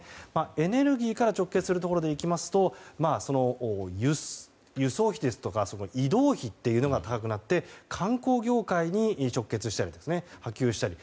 エネルギーから直結するところでいきますと輸送費ですとか移動費が高くなって観光業界に直結したりですとか波及したり。